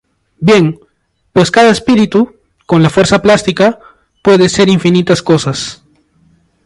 Bien, pues cada espíritu, con la fuerza plástica, puede ser infinitas cosas.